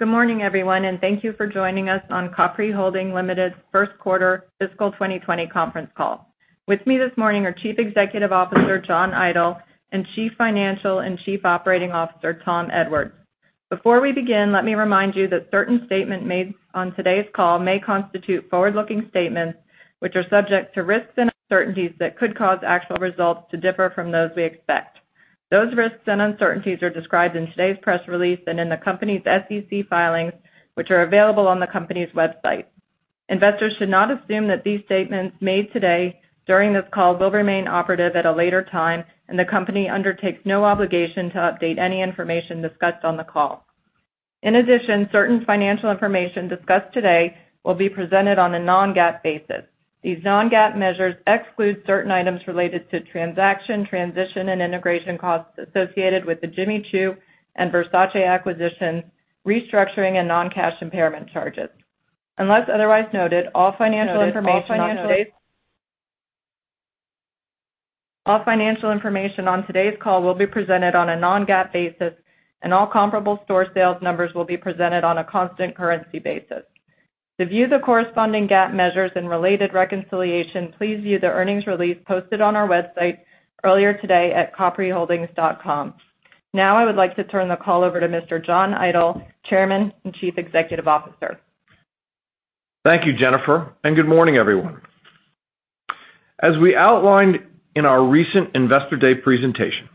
Good morning, everyone, and thank you for joining us on Capri Holdings Limited's first quarter fiscal 2020 conference call. With me this morning are Chief Executive Officer, John Idol, and Chief Financial and Chief Operating Officer, Tom Edwards. Before we begin, let me remind you that certain statements made on today's call may constitute forward-looking statements, which are subject to risks and uncertainties that could cause actual results to differ from those we expect. Those risks and uncertainties are described in today's press release and in the company's SEC filings, which are available on the company's website. Investors should not assume that these statements made today during this call will remain operative at a later time, and the company undertakes no obligation to update any information discussed on the call. In addition, certain financial information discussed today will be presented on a non-GAAP basis. These non-GAAP measures exclude certain items related to transaction, transition, and integration costs associated with the Jimmy Choo and Versace acquisition, restructuring, and non-cash impairment charges. Unless otherwise noted, all financial information on today's call will be presented on a non-GAAP basis, and all comparable store sales numbers will be presented on a constant currency basis. To view the corresponding GAAP measures and related reconciliation, please view the earnings release posted on our website earlier today at capriholdings.com. I would like to turn the call over to Mr. John Idol, Chairman and Chief Executive Officer. Thank you, Jennifer, and good morning, everyone. As we outlined in our recent Investor Day presentation,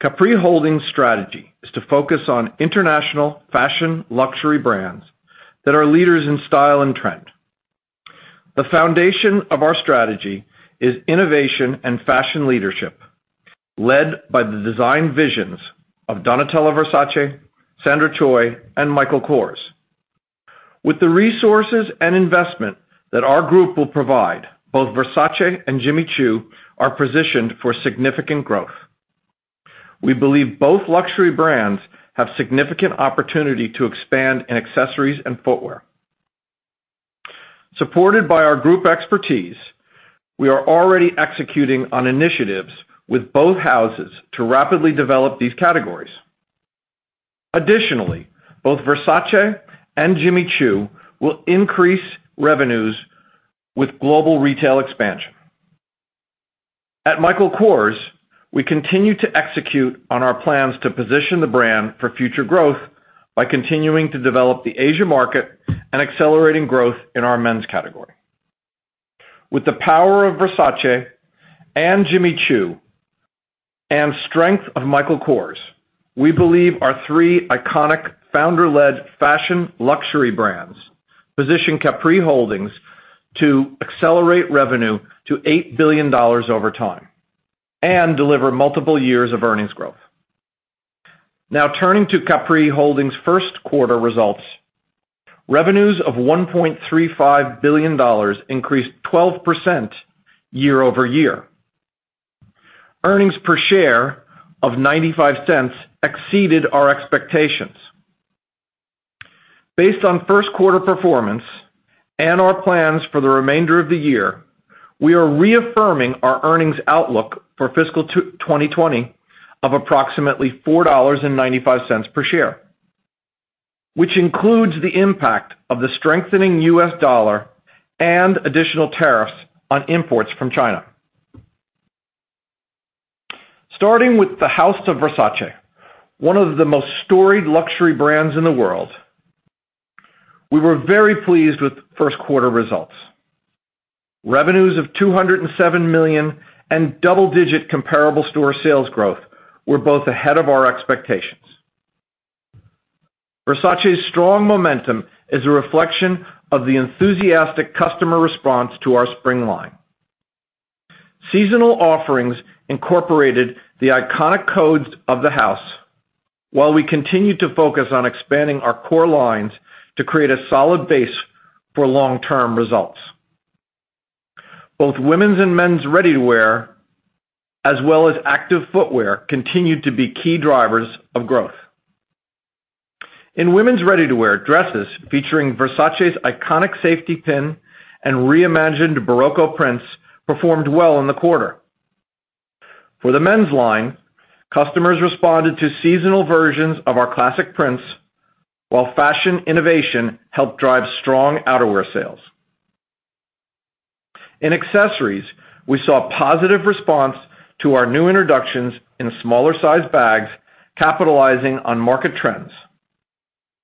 Capri Holdings' strategy is to focus on international fashion luxury brands that are leaders in style and trend. The foundation of our strategy is innovation and fashion leadership, led by the design visions of Donatella Versace, Sandra Choi, and Michael Kors. With the resources and investment that our group will provide, both Versace and Jimmy Choo are positioned for significant growth. We believe both luxury brands have significant opportunity to expand in accessories and footwear. Supported by our group expertise, we are already executing on initiatives with both houses to rapidly develop these categories. Additionally, both Versace and Jimmy Choo will increase revenues with global retail expansion. At Michael Kors, we continue to execute on our plans to position the brand for future growth by continuing to develop the Asia market and accelerating growth in our men's category. With the power of Versace and Jimmy Choo, and strength of Michael Kors, we believe our three iconic founder-led fashion luxury brands position Capri Holdings to accelerate revenue to $8 billion over time and deliver multiple years of earnings growth. Turning to Capri Holdings' first quarter results, revenues of $1.35 billion increased 12% year-over-year. Earnings per share of $0.95 exceeded our expectations. Based on first quarter performance and our plans for the remainder of the year, we are reaffirming our earnings outlook for fiscal 2020 of approximately $4.95 per share, which includes the impact of the strengthening U.S. dollar and additional tariffs on imports from China. Starting with the House of Versace, one of the most storied luxury brands in the world, we were very pleased with first quarter results. Revenues of $207 million and double-digit comparable store sales growth were both ahead of our expectations. Versace's strong momentum is a reflection of the enthusiastic customer response to our spring line. Seasonal offerings incorporated the iconic codes of the house, while we continued to focus on expanding our core lines to create a solid base for long-term results. Both women's and men's ready-to-wear, as well as active footwear, continued to be key drivers of growth. In women's ready-to-wear, dresses featuring Versace's iconic safety pin and reimagined Barocco prints performed well in the quarter. For the men's line, customers responded to seasonal versions of our classic prints, while fashion innovation helped drive strong outerwear sales. In accessories, we saw a positive response to our new introductions in smaller-sized bags, capitalizing on market trends.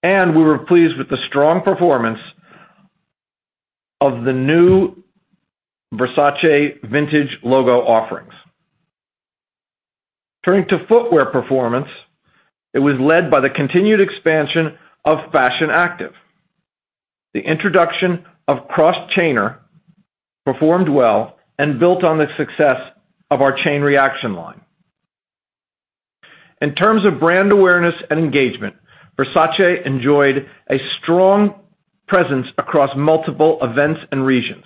We were pleased with the strong performance of the new Versace vintage logo offerings. Turning to footwear performance, it was led by the continued expansion of fashion active. The introduction of Cross Chainer performed well and built on the success of our Chain Reaction line. In terms of brand awareness and engagement, Versace enjoyed a strong presence across multiple events and regions.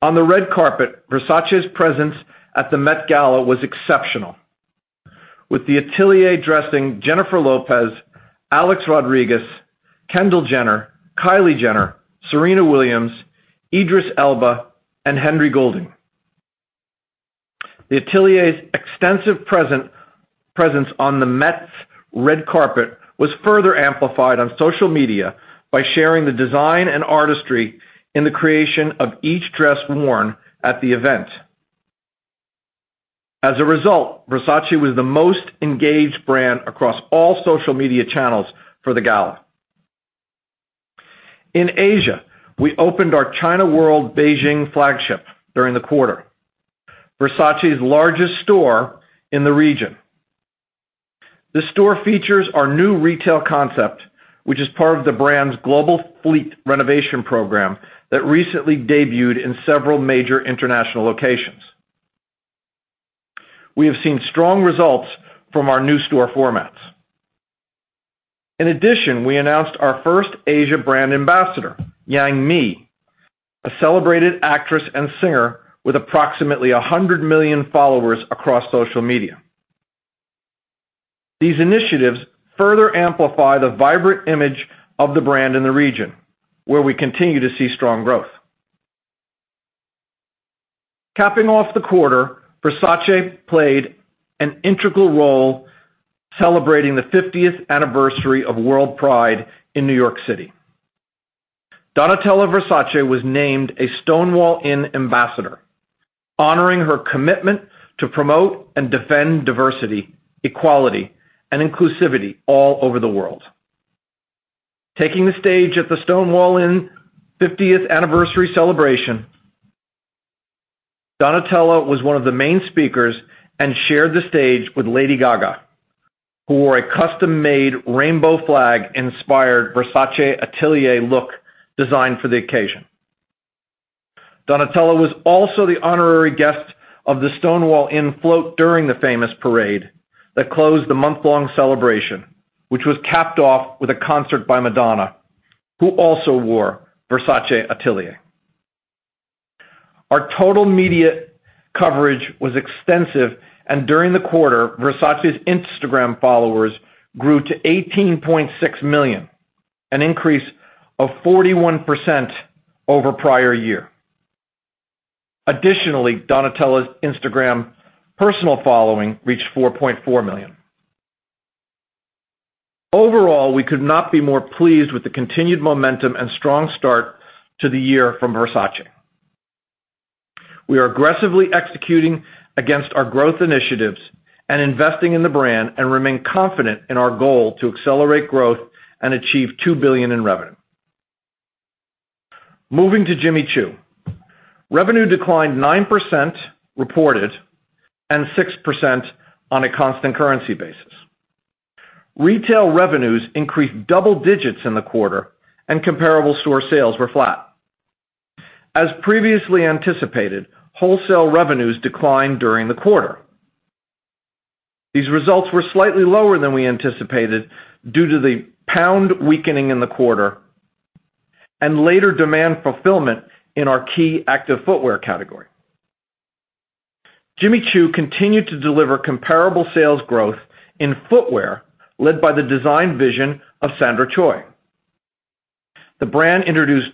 On the red carpet, Versace's presence at the Met Gala was exceptional, with the Atelier dressing Jennifer Lopez, Alex Rodriguez, Kendall Jenner, Kylie Jenner, Serena Williams, Idris Elba, and Henry Golding. The Atelier's extensive presence on the Met's red carpet was further amplified on social media by sharing the design and artistry in the creation of each dress worn at the event. As a result, Versace was the most engaged brand across all social media channels for the gala. In Asia, we opened our China World Beijing flagship during the quarter, Versace's largest store in the region. The store features our new retail concept, which is part of the brand's global fleet renovation program that recently debuted in several major international locations. We have seen strong results from our new store formats. In addition, we announced our first Asia brand ambassador, Yang Mi, a celebrated actress and singer with approximately 100 million followers across social media. These initiatives further amplify the vibrant image of the brand in the region, where we continue to see strong growth. Capping off the quarter, Versace played an integral role celebrating the 50th anniversary of WorldPride in New York City. Donatella Versace was named a Stonewall Inn Ambassador, honoring her commitment to promote and defend diversity, equality, and inclusivity all over the world. Taking the stage at the Stonewall Inn 50th anniversary celebration, Donatella was one of the main speakers and shared the stage with Lady Gaga, who wore a custom-made rainbow flag-inspired Versace Atelier look designed for the occasion. Donatella was also the honorary guest of the Stonewall Inn float during the famous parade that closed the month-long celebration, which was capped off with a concert by Madonna, who also wore Versace Atelier. Our total media coverage was extensive, and during the quarter, Versace's Instagram followers grew to 18.6 million, an increase of 41% over prior year. Additionally, Donatella's Instagram personal following reached 4.4 million. Overall, we could not be more pleased with the continued momentum and strong start to the year from Versace. We are aggressively executing against our growth initiatives and investing in the brand and remain confident in our goal to accelerate growth and achieve $2 billion in revenue. Moving to Jimmy Choo. Revenue declined 9% reported and 6% on a constant currency basis. Retail revenues increased double digits in the quarter and comparable store sales were flat. As previously anticipated, wholesale revenues declined during the quarter. These results were slightly lower than we anticipated due to the pound weakening in the quarter and later demand fulfillment in our key active footwear category. Jimmy Choo continued to deliver comparable sales growth in footwear led by the design vision of Sandra Choi. The brand introduced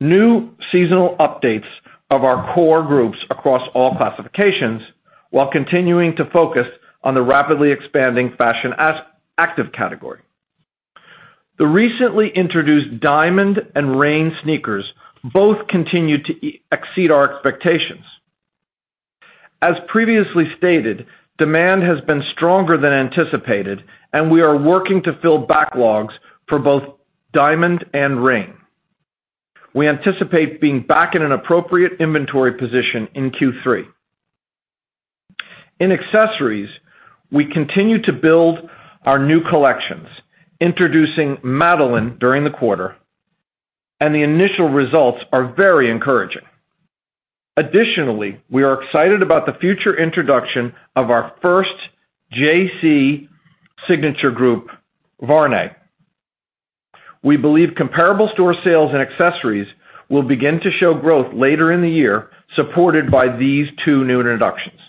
new seasonal updates of our core groups across all classifications while continuing to focus on the rapidly expanding fashion active category. The recently introduced Diamond and Rain sneakers both continued to exceed our expectations. As previously stated, demand has been stronger than anticipated, and we are working to fill backlogs for both Diamond and Rain. We anticipate being back in an appropriate inventory position in Q3. In accessories, we continue to build our new collections, introducing Madeline during the quarter, and the initial results are very encouraging. Additionally, we are excited about the future introduction of our first JC signature group, Varenne. We believe comparable store sales and accessories will begin to show growth later in the year, supported by these two new introductions.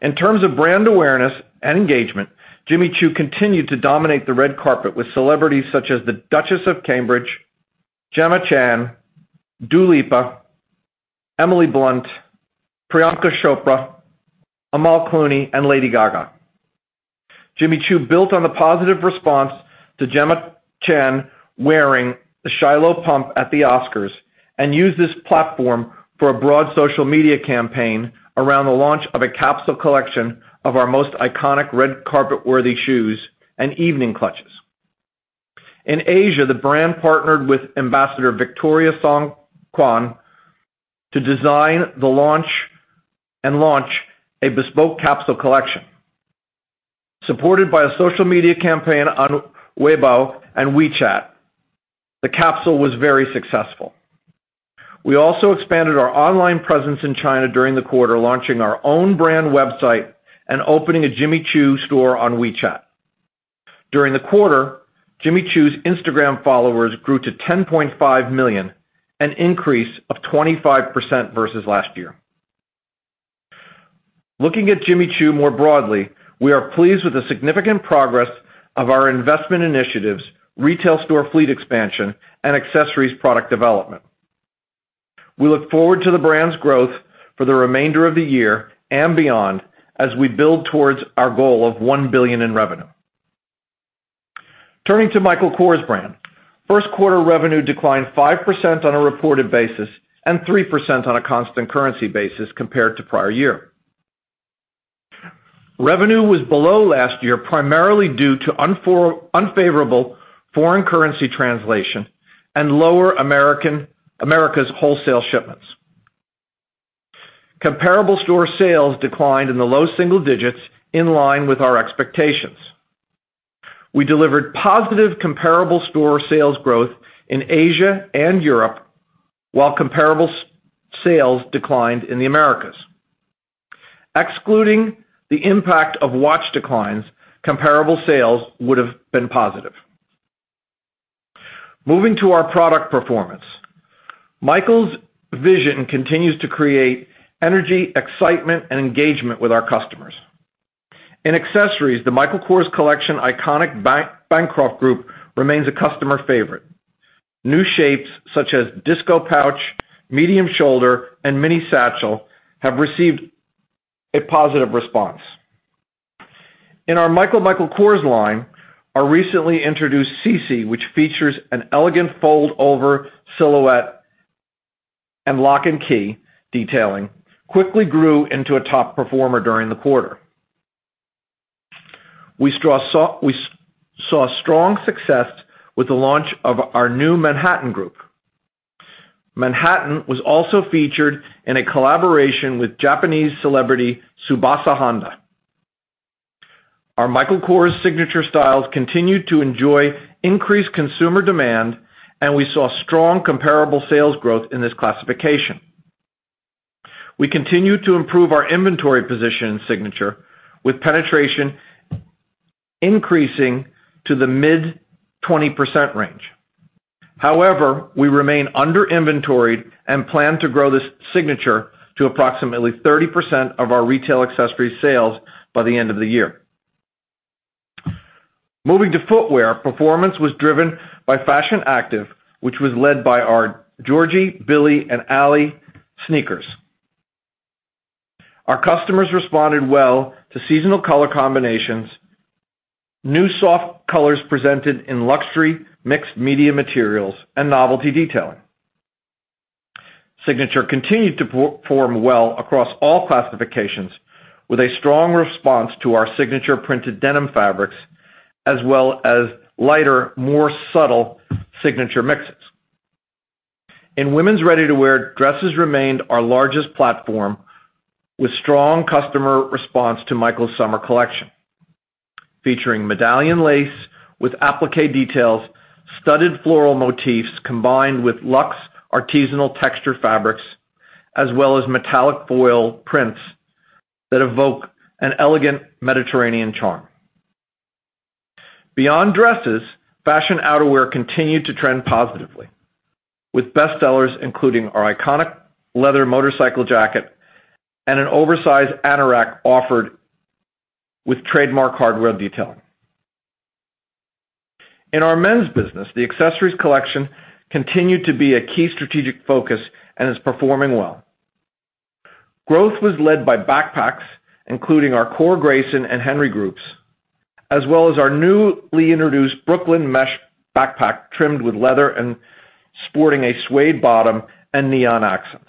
In terms of brand awareness and engagement, Jimmy Choo continued to dominate the red carpet with celebrities such as the Duchess of Cambridge, Gemma Chan, Dua Lipa, Emily Blunt, Priyanka Chopra, Amal Clooney, and Lady Gaga. Jimmy Choo built on the positive response to Gemma Chan wearing the Shiloh pump at the Oscars and used this platform for a broad social media campaign around the launch of a capsule collection of our most iconic red carpet-worthy shoes and evening clutches. In Asia, the brand partnered with Ambassador Victoria Song Qian to design and launch a bespoke capsule collection. Supported by a social media campaign on Weibo and WeChat, the capsule was very successful. We also expanded our online presence in China during the quarter, launching our own brand website and opening a Jimmy Choo store on WeChat. During the quarter, Jimmy Choo's Instagram followers grew to 10.5 million, an increase of 25% versus last year. Looking at Jimmy Choo more broadly, we are pleased with the significant progress of our investment initiatives, retail store fleet expansion, and accessories product development. We look forward to the brand's growth for the remainder of the year and beyond as we build towards our goal of $1 billion in revenue. Turning to Michael Kors brand. First quarter revenue declined 5% on a reported basis and 3% on a constant currency basis compared to prior year. Revenue was below last year, primarily due to unfavorable foreign currency translation and lower Americas wholesale shipments. Comparable store sales declined in the low single digits in line with our expectations. We delivered positive comparable store sales growth in Asia and Europe, while comparable sales declined in the Americas. Excluding the impact of watch declines, comparable sales would have been positive. Moving to our product performance. Michael's vision continues to create energy, excitement, and engagement with our customers. In accessories, the Michael Kors Collection iconic Bancroft group remains a customer favorite. New shapes such as disco pouch, medium shoulder, and mini satchel have received a positive response. In our MICHAEL Michael Kors line, our recently introduced Cece, which features an elegant fold-over silhouette and lock and key detailing, quickly grew into a top performer during the quarter. We saw strong success with the launch of our new Manhattan group. Manhattan was also featured in a collaboration with Japanese celebrity Tsubasa Honda. Our Michael Kors signature styles continued to enjoy increased consumer demand, and we saw strong comparable sales growth in this classification. We continue to improve our inventory position in signature with penetration increasing to the mid 20% range. However, we remain under inventoried and plan to grow this signature to approximately 30% of our retail accessory sales by the end of the year. Moving to footwear, performance was driven by fashion active, which was led by our Georgie, Billie, and Allie sneakers. Our customers responded well to seasonal color combinations, new soft colors presented in luxury mixed media materials, and novelty detailing. Signature continued to perform well across all classifications with a strong response to our signature printed denim fabrics as well as lighter, more subtle signature mixes. In women's ready-to-wear, dresses remained our largest platform with strong customer response to Michael's summer collection, featuring medallion lace with applique details, studded floral motifs combined with luxe artisanal texture fabrics, as well as metallic foil prints that evoke an elegant Mediterranean charm. Beyond dresses, fashion outerwear continued to trend positively with bestsellers including our iconic leather motorcycle jacket and an oversized anorak offered with trademark hardware detailing. In our men's business, the accessories collection continued to be a key strategic focus and is performing well. Growth was led by backpacks including our core Grayson and Henry groups, as well as our newly introduced Brooklyn mesh backpack trimmed with leather and sporting a suede bottom and neon accents.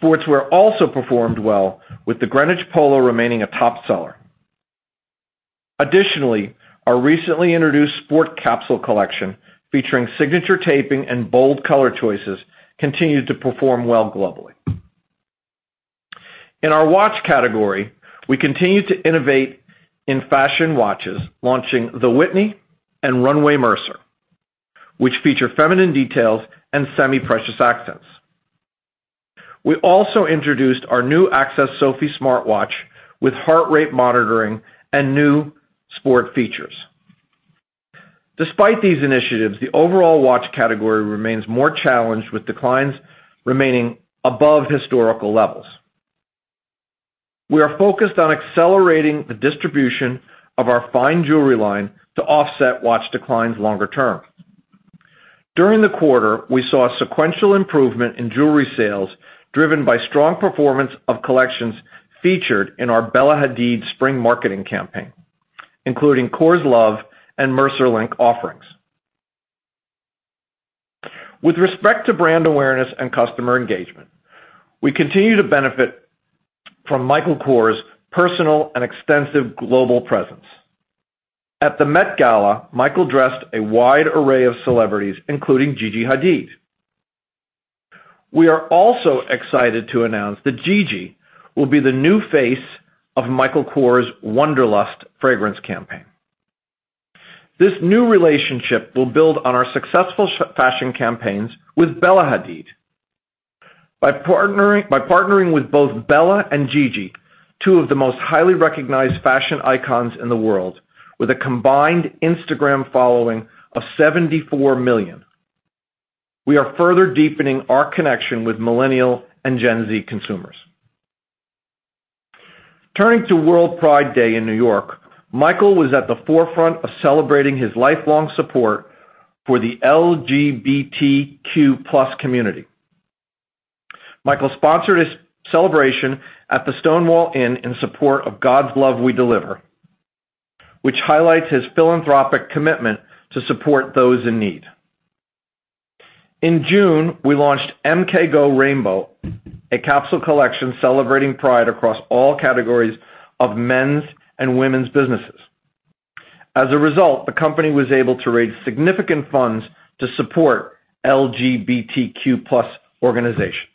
Sportswear also performed well with the Greenwich Polo remaining a top seller. Additionally, our recently introduced sport capsule collection featuring signature taping and bold color choices continued to perform well globally. In our watch category, we continued to innovate in fashion watches, launching the Whitney and Runway Mercer, which feature feminine details and semi-precious accents. We also introduced our new Access Sofie smartwatch with heart rate monitoring and new sport features. Despite these initiatives, the overall watch category remains more challenged with declines remaining above historical levels. We are focused on accelerating the distribution of our fine jewelry line to offset watch declines longer term. During the quarter, we saw a sequential improvement in jewelry sales driven by strong performance of collections featured in our Bella Hadid spring marketing campaign, including Kors Love and Mercer Link offerings. With respect to brand awareness and customer engagement, we continue to benefit from Michael Kors' personal and extensive global presence. At the Met Gala, Michael dressed a wide array of celebrities, including Gigi Hadid. We are also excited to announce that Gigi will be the new face of Michael Kors' Wonderlust fragrance campaign. This new relationship will build on our successful fashion campaigns with Bella Hadid. By partnering with both Bella and Gigi, two of the most highly recognized fashion icons in the world, with a combined Instagram following of 74 million. We are further deepening our connection with Millennial and Gen Z consumers. Turning to WorldPride in New York, Michael was at the forefront of celebrating his lifelong support for the LGBTQ+ community. Michael sponsored a celebration at the Stonewall Inn in support of God's Love We Deliver, which highlights his philanthropic commitment to support those in need. In June, we launched MKGO Rainbow, a capsule collection celebrating Pride across all categories of men's and women's businesses. As a result, the company was able to raise significant funds to support LGBTQ+ organizations.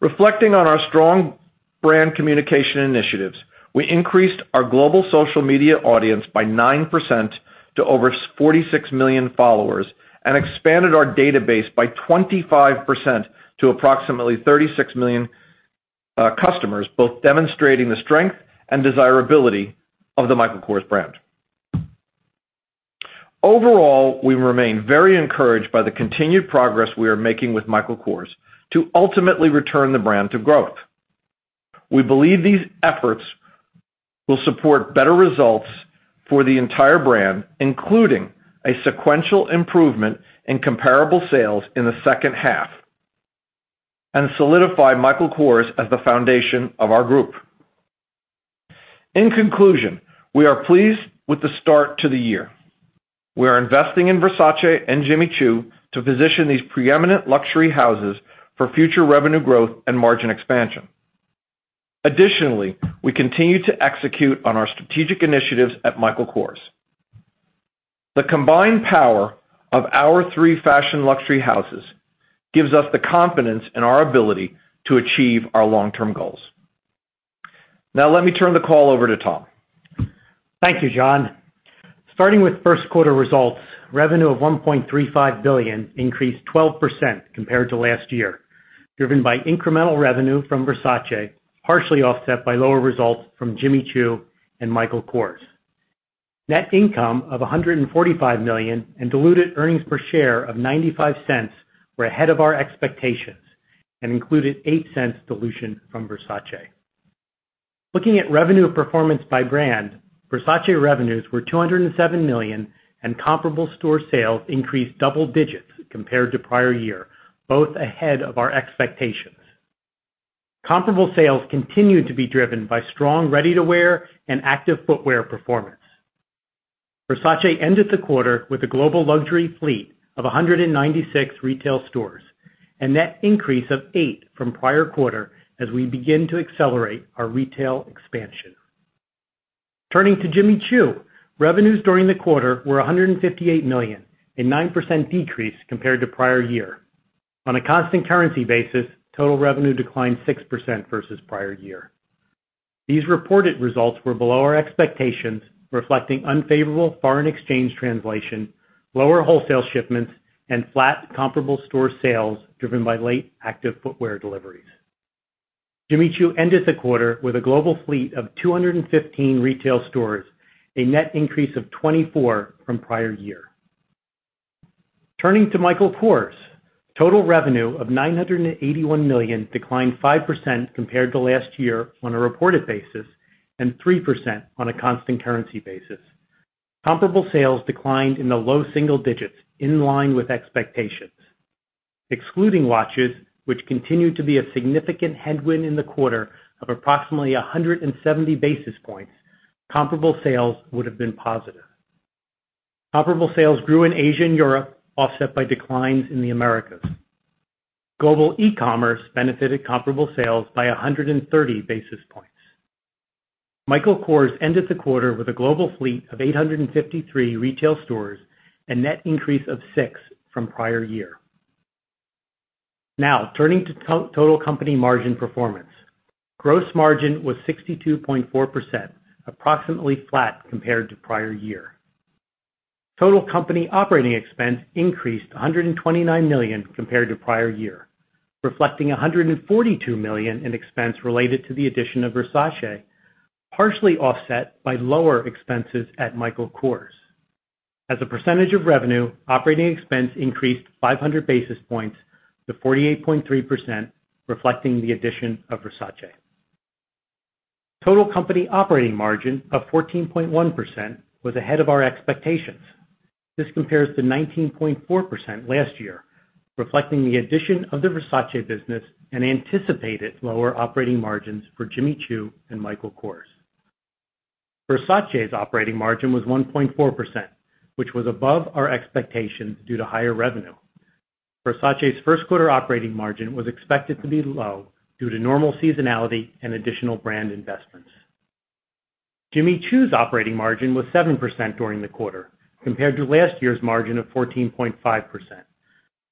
Reflecting on our strong brand communication initiatives, we increased our global social media audience by 9% to over 46 million followers and expanded our database by 25% to approximately 36 million customers, both demonstrating the strength and desirability of the Michael Kors brand. Overall, we remain very encouraged by the continued progress we are making with Michael Kors to ultimately return the brand to growth. We believe these efforts will support better results for the entire brand, including a sequential improvement in comparable sales in the second half, and solidify Michael Kors as the foundation of our group. In conclusion, we are pleased with the start to the year. We are investing in Versace and Jimmy Choo to position these preeminent luxury houses for future revenue growth and margin expansion. Additionally, we continue to execute on our strategic initiatives at Michael Kors. The combined power of our three fashion luxury houses gives us the confidence in our ability to achieve our long-term goals. Let me turn the call over to Tom. Thank you, John. Starting with first quarter results, revenue of $1.35 billion increased 12% compared to last year, driven by incremental revenue from Versace, partially offset by lower results from Jimmy Choo and Michael Kors. Net income of $145 million and diluted earnings per share of $0.95 were ahead of our expectations and included $0.08 dilution from Versace. Looking at revenue performance by brand, Versace revenues were $207 million, and comparable store sales increased double digits compared to prior year, both ahead of our expectations. Comparable sales continued to be driven by strong ready-to-wear and active footwear performance. Versace ended the quarter with a global luxury fleet of 196 retail stores, a net increase of eight from the prior quarter as we begin to accelerate our retail expansion. Turning to Jimmy Choo, revenues during the quarter were $158 million, a 9% decrease compared to the prior year. On a constant currency basis, total revenue declined 6% versus the prior year. These reported results were below our expectations, reflecting unfavorable foreign exchange translation, lower wholesale shipments, and flat comparable store sales driven by late active footwear deliveries. Jimmy Choo ended the quarter with a global fleet of 215 retail stores, a net increase of 24 from the prior year. Turning to Michael Kors, total revenue of $981 million declined 5% compared to last year on a reported basis and 3% on a constant currency basis. Comparable sales declined in the low single digits, in line with expectations. Excluding watches, which continued to be a significant headwind in the quarter of approximately 170 basis points, comparable sales would have been positive. Comparable sales grew in Asia and Europe, offset by declines in the Americas. Global e-commerce benefited comparable sales by 130 basis points. Michael Kors ended the quarter with a global fleet of 853 retail stores, a net increase of six from the prior year. Turning to total company margin performance. Gross margin was 62.4%, approximately flat compared to the prior year. Total company operating expense increased to $129 million compared to the prior year, reflecting $142 million in expense related to the addition of Versace, partially offset by lower expenses at Michael Kors. As a percentage of revenue, operating expense increased 500 basis points to 48.3%, reflecting the addition of Versace. Total company operating margin of 14.1% was ahead of our expectations. This compares to 19.4% last year, reflecting the addition of the Versace business and anticipated lower operating margins for Jimmy Choo and Michael Kors. Versace's operating margin was 1.4%, which was above our expectations due to higher revenue. Versace's first quarter operating margin was expected to be low due to normal seasonality and additional brand investments. Jimmy Choo's operating margin was 7% during the quarter compared to last year's margin of 14.5%.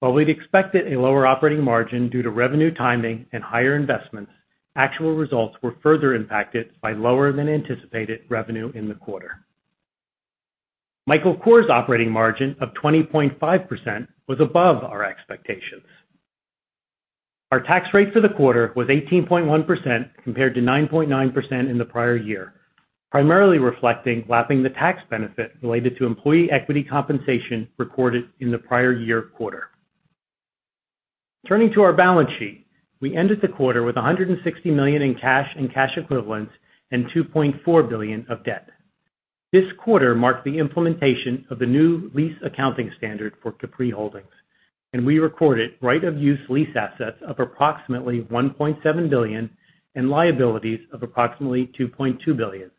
While we'd expected a lower operating margin due to revenue timing and higher investments, actual results were further impacted by lower than anticipated revenue in the quarter. Michael Kors' operating margin of 20.5% was above our expectations. Our tax rate for the quarter was 18.1% compared to 9.9% in the prior year, primarily reflecting lapping the tax benefit related to employee equity compensation recorded in the prior year quarter. Turning to our balance sheet. We ended the quarter with $160 million in cash and cash equivalents and $2.4 billion of debt. This quarter marked the implementation of the new lease accounting standard for Capri Holdings. We recorded right-of-use lease assets of approximately $1.7 billion and liabilities of approximately $2.2 billion.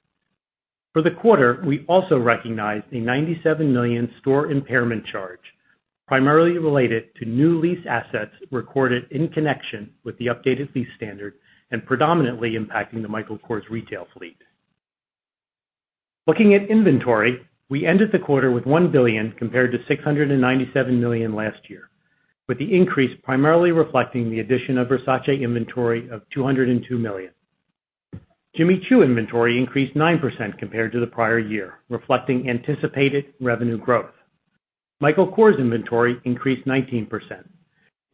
For the quarter, we also recognized a $97 million store impairment charge, primarily related to new lease assets recorded in connection with the updated lease standard and predominantly impacting the Michael Kors retail fleet. Looking at inventory, we ended the quarter with $1 billion compared to $697 million last year, with the increase primarily reflecting the addition of Versace inventory of $202 million. Jimmy Choo inventory increased 9% compared to the prior year, reflecting anticipated revenue growth. Michael Kors inventory increased 19%.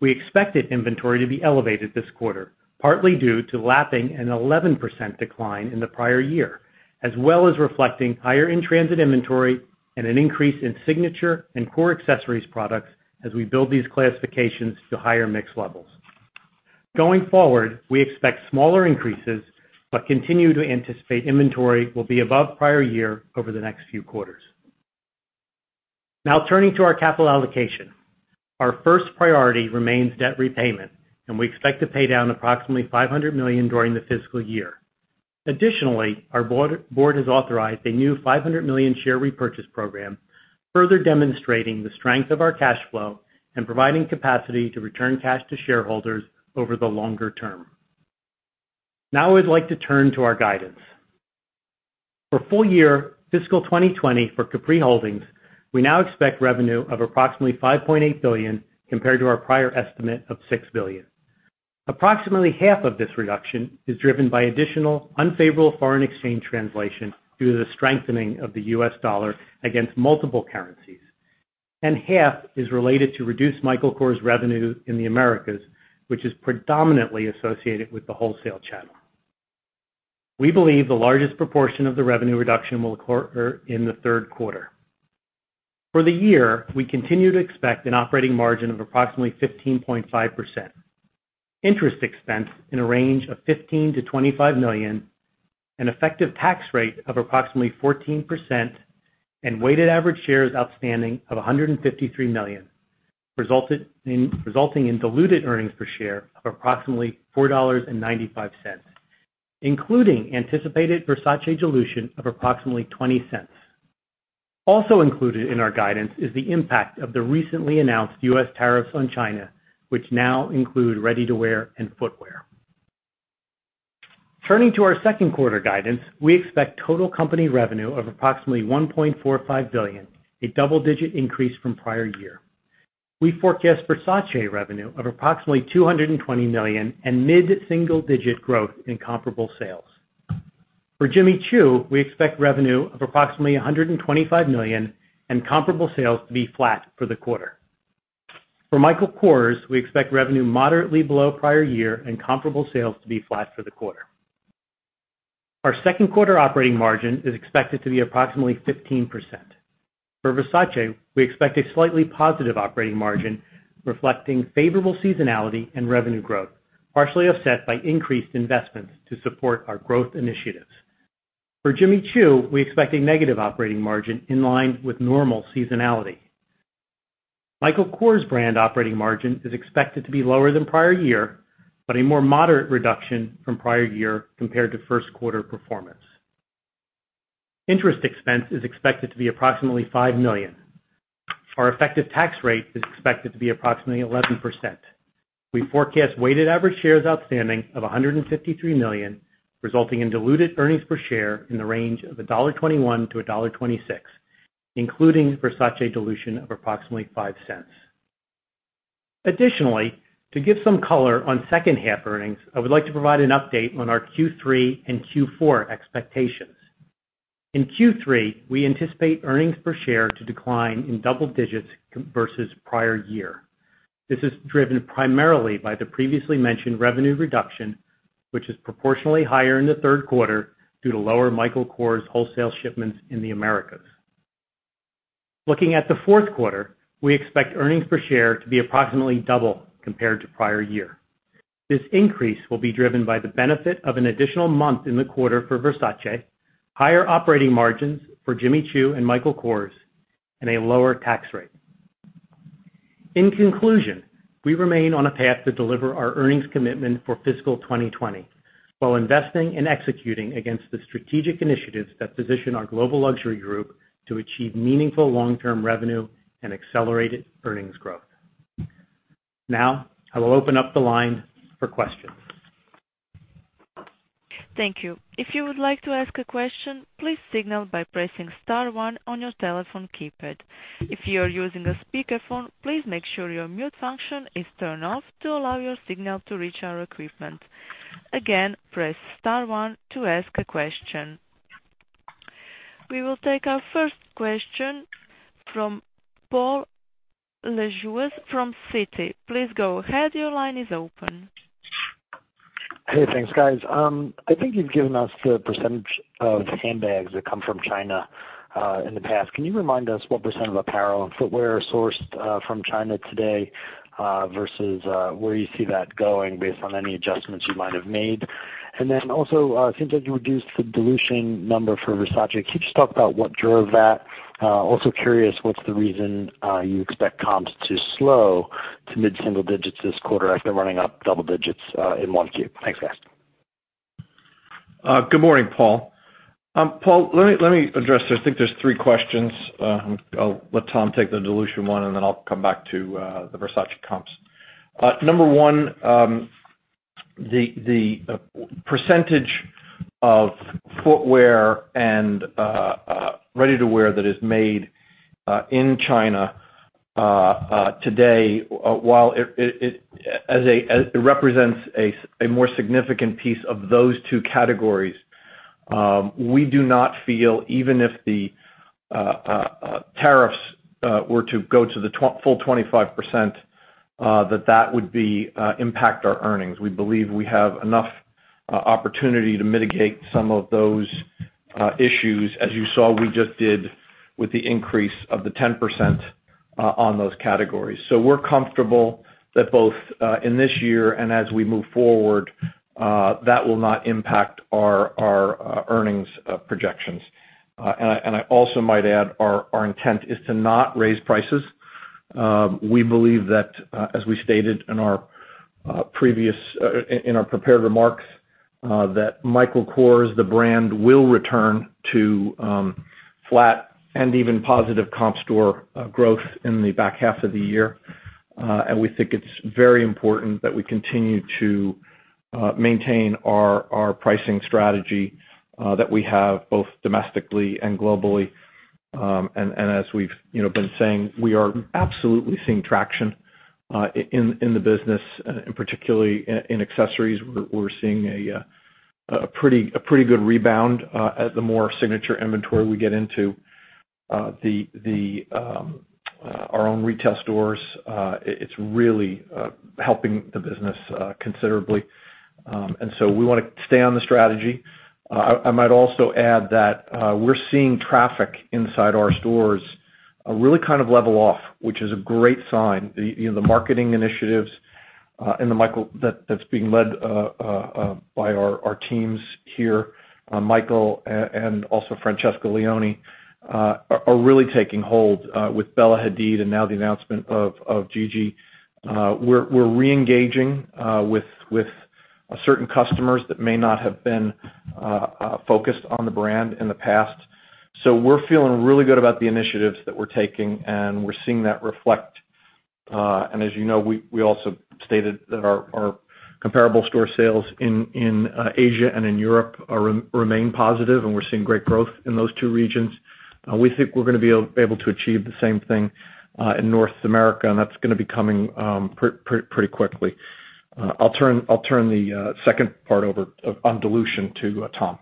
We expected inventory to be elevated this quarter, partly due to lapping an 11% decline in the prior year, as well as reflecting higher in-transit inventory and an increase in signature and core accessories products as we build these classifications to higher mix levels. Going forward, we expect smaller increases but continue to anticipate inventory will be above prior year over the next few quarters. Now turning to our capital allocation. Our first priority remains debt repayment, and we expect to pay down approximately $500 million during the fiscal year. Additionally, our board has authorized a new $500 million share repurchase program, further demonstrating the strength of our cash flow and providing capacity to return cash to shareholders over the longer term. Now I'd like to turn to our guidance. For full year fiscal 2020 for Capri Holdings, we now expect revenue of approximately $5.8 billion compared to our prior estimate of $6 billion. Approximately half of this reduction is driven by additional unfavorable foreign exchange translation due to the strengthening of the U.S. dollar against multiple currencies, and half is related to reduced Michael Kors revenue in the Americas, which is predominantly associated with the wholesale channel. We believe the largest proportion of the revenue reduction will occur in the third quarter. For the year, we continue to expect an operating margin of approximately 15.5%, interest expense in a range of $15 million-$25 million, an effective tax rate of approximately 14%, and weighted average shares outstanding of 153 million, resulting in diluted earnings per share of approximately $4.95, including anticipated Versace dilution of approximately $0.20. Also included in our guidance is the impact of the recently announced U.S. tariffs on China, which now include ready-to-wear and footwear. Turning to our second quarter guidance, we expect total company revenue of approximately $1.45 billion, a double-digit increase from prior year. We forecast Versace revenue of approximately $220 million and mid-single digit growth in comparable sales. For Jimmy Choo, we expect revenue of approximately $125 million and comparable sales to be flat for the quarter. For Michael Kors, we expect revenue moderately below prior year and comparable sales to be flat for the quarter. Our second quarter operating margin is expected to be approximately 15%. For Versace, we expect a slightly positive operating margin reflecting favorable seasonality and revenue growth, partially offset by increased investments to support our growth initiatives. For Jimmy Choo, we expect a negative operating margin in line with normal seasonality. Michael Kors brand operating margin is expected to be lower than prior year, but a more moderate reduction from prior year compared to first quarter performance. Interest expense is expected to be approximately $5 million. Our effective tax rate is expected to be approximately 11%. We forecast weighted average shares outstanding of 153 million, resulting in diluted earnings per share in the range of $1.21 to $1.26, including Versace dilution of approximately $0.05. To give some color on second half earnings, I would like to provide an update on our Q3 and Q4 expectations. In Q3, we anticipate earnings per share to decline in double digits versus prior year. This is driven primarily by the previously mentioned revenue reduction, which is proportionally higher in the third quarter due to lower Michael Kors wholesale shipments in the Americas. Looking at the fourth quarter, we expect earnings per share to be approximately double compared to prior year. This increase will be driven by the benefit of an additional month in the quarter for Versace, higher operating margins for Jimmy Choo and Michael Kors, and a lower tax rate. In conclusion, we remain on a path to deliver our earnings commitment for fiscal 2020 while investing and executing against the strategic initiatives that position our global luxury group to achieve meaningful long-term revenue and accelerated earnings growth. Now, I will open up the line for questions. Thank you. If you would like to ask a question, please signal by pressing *1 on your telephone keypad. If you are using a speakerphone, please make sure your mute function is turned off to allow your signal to reach our equipment. Again, press *1 to ask a question. We will take our first question from Paul Lejuez from Citi. Please go ahead. Your line is open. Hey, thanks, guys. I think you've given us the percentage of handbags that come from China in the past. Can you remind us what % of apparel and footwear are sourced from China today, versus where you see that going based on any adjustments you might have made? Then also, since you reduced the dilution number for Versace, can you just talk about what drove that? Curious, what's the reason you expect comps to slow to mid-single digits this quarter after running up double digits in 1Q? Thanks, guys. Good morning, Paul. Paul, let me address this. I think there's three questions. I'll let Tom take the dilution one, then I'll come back to the Versace comps. Number one, the percentage of footwear and ready-to-wear that is made in China today, while it represents a more significant piece of those two categories, we do not feel, even if the tariffs were to go to the full 25%, that that would impact our earnings. We believe we have enough opportunity to mitigate some of those issues. As you saw, we just did with the increase of the 10% on those categories. We're comfortable that both in this year and as we move forward, that will not impact our earnings projections. I also might add our intent is to not raise prices. We believe that, as we stated in our prepared remarks, that Michael Kors, the brand, will return to flat and even positive comp store growth in the back half of the year. We think it's very important that we continue to maintain our pricing strategy that we have both domestically and globally. As we've been saying, we are absolutely seeing traction in the business, and particularly in accessories. We're seeing a pretty good rebound at the more signature inventory we get into our own retail stores. It's really helping the business considerably. So we want to stay on the strategy. I might also add that we're seeing traffic inside our stores really level off, which is a great sign. The marketing initiatives that's being led by our teams here, Michael and also Francesca Leoni, are really taking hold with Bella Hadid and now the announcement of Gigi. We're re-engaging with certain customers that may not have been focused on the brand in the past. We're feeling really good about the initiatives that we're taking, and we're seeing that reflect. As you know, we also stated that our comparable store sales in Asia and in Europe remain positive, and we're seeing great growth in those two regions. We think we're going to be able to achieve the same thing in North America, and that's going to be coming pretty quickly. I'll turn the second part over on dilution to Tom.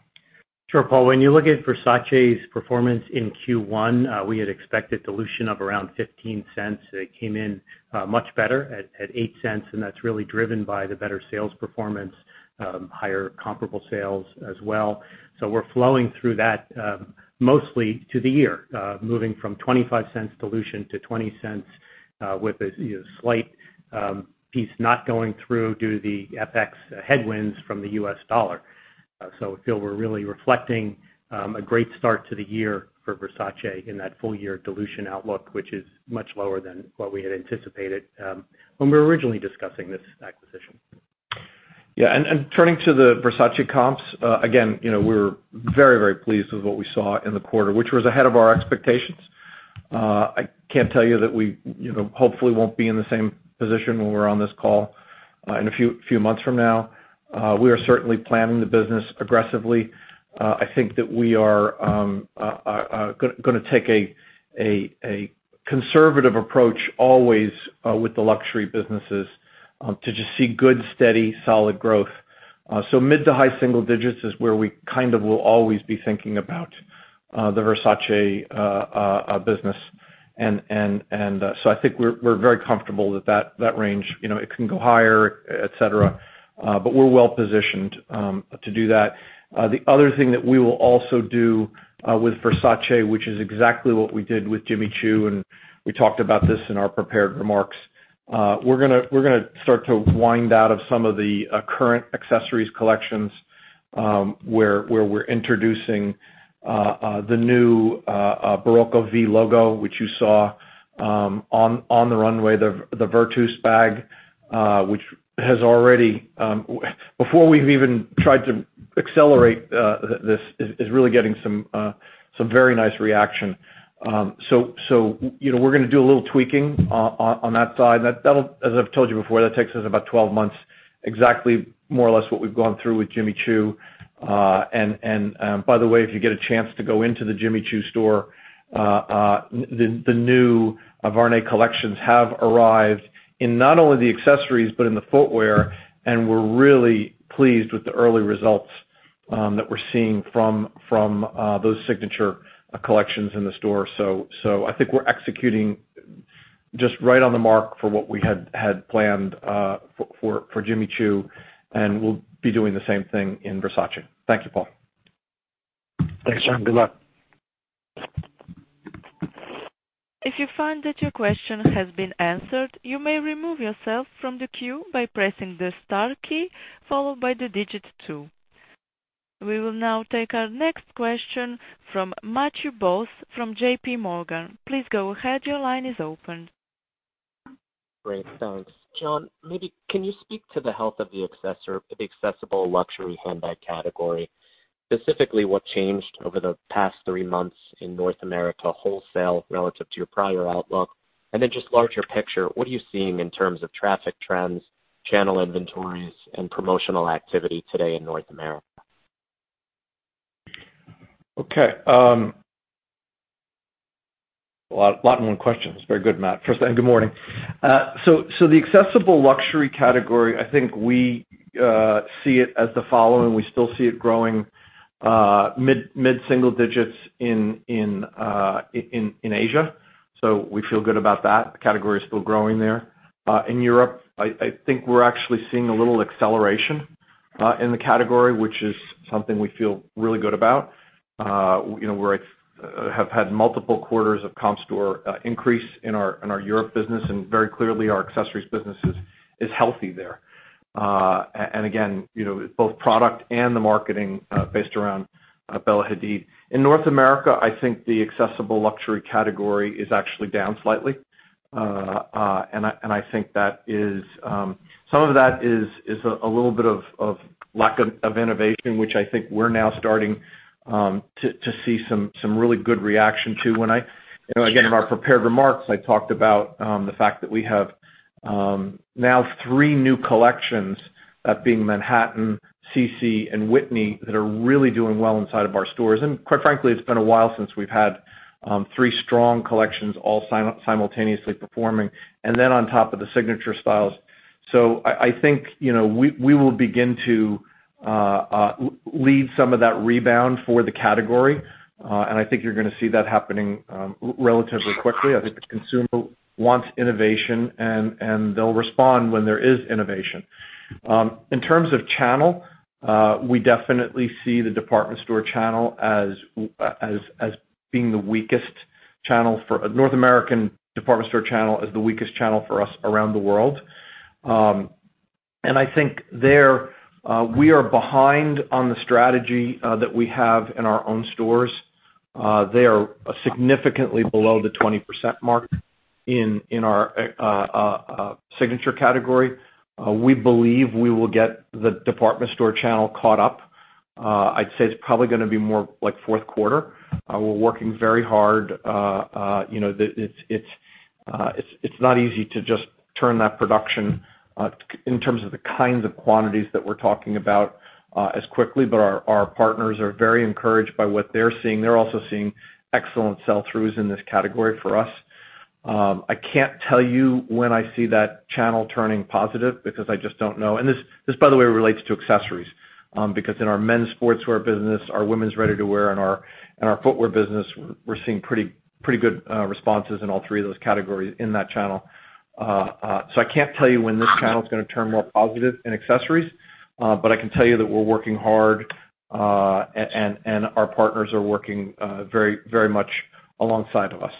Sure, Paul. When you look at Versace's performance in Q1, we had expected dilution of around $0.15. It came in much better at $0.08. That's really driven by the better sales performance, higher comparable sales as well. We're flowing through that mostly to the year, moving from $0.25 dilution to $0.20 with a slight piece not going through due to the FX headwinds from the U.S. dollar. I feel we're really reflecting a great start to the year for Versace in that full-year dilution outlook, which is much lower than what we had anticipated when we were originally discussing this acquisition. Yeah, turning to the Versace comps, again, we're very, very pleased with what we saw in the quarter, which was ahead of our expectations. I can't tell you that we hopefully won't be in the same position when we're on this call in a few months from now. We are certainly planning the business aggressively. I think that we are going to take a conservative approach always with the luxury businesses to just see good, steady, solid growth. Mid to high single digits is where we will always be thinking about the Versace business. I think we're very comfortable with that range. It can go higher, et cetera, but we're well-positioned to do that. The other thing that we will also do with Versace, which is exactly what we did with Jimmy Choo, and we talked about this in our prepared remarks, we're going to start to wind out of some of the current accessories collections, where we're introducing the new Barocco V logo, which you saw on the runway. The Virtus bag which has already, before we've even tried to accelerate this, is really getting some very nice reaction. We're going to do a little tweaking on that side. As I've told you before, that takes us about 12 months, exactly more or less what we've gone through with Jimmy Choo. By the way, if you get a chance to go into the Jimmy Choo store, the new Varenne collections have arrived in not only the accessories, but in the footwear, and we're really pleased with the early results that we're seeing from those signature collections in the store. I think we're executing just right on the mark for what we had planned for Jimmy Choo, and we'll be doing the same thing in Versace. Thank you, Paul. Thanks, John. Good luck. If you find that your question has been answered, you may remove yourself from the queue by pressing the star key, followed by the digit two. We will now take our next question from Matthew Boss from JPMorgan. Please go ahead. Your line is open. Great. Thanks. John, maybe can you speak to the health of the accessible luxury handbag category? Specifically, what changed over the past three months in North America wholesale relative to your prior outlook? Then just larger picture, what are you seeing in terms of traffic trends, channel inventories, and promotional activity today in North America? Okay. A lot more questions. Very good, Matt. First thing, good morning. The accessible luxury category, I think we see it as the following. We still see it growing mid-single digits in Asia. We feel good about that. The category is still growing there. In Europe, I think we're actually seeing a little acceleration in the category, which is something we feel really good about. Where I have had multiple quarters of comp store increase in our Europe business, and very clearly our accessories business is healthy there. Again, both product and the marketing based around Bella Hadid. In North America, I think the accessible luxury category is actually down slightly. I think some of that is a little bit of lack of innovation, which I think we're now starting to see some really good reaction to. Again, in our prepared remarks, I talked about the fact that we have now three new collections, that being Manhattan, Cece, and Whitney, that are really doing well inside of our stores. Quite frankly, it's been a while since we've had three strong collections all simultaneously performing on top of the signature styles. I think we will begin to lead some of that rebound for the category. I think you're going to see that happening relatively quickly. I think the consumer wants innovation, and they'll respond when there is innovation. In terms of channel, we definitely see the North American department store channel as the weakest channel for us around the world. I think there we are behind on the strategy that we have in our own stores. They are significantly below the 20% mark in our signature category. We believe we will get the department store channel caught up. I'd say it's probably going to be more like fourth quarter. We're working very hard. It's not easy to just turn that production in terms of the kinds of quantities that we're talking about as quickly, but our partners are very encouraged by what they're seeing. They're also seeing excellent sell-throughs in this category for us. I can't tell you when I see that channel turning positive because I just don't know. This, by the way, relates to accessories. In our men's sportswear business, our women's ready-to-wear, and our footwear business, we're seeing pretty good responses in all three of those categories in that channel. I can't tell you when this channel is going to turn more positive in accessories. I can tell you that we're working hard, and our partners are working very much alongside of us.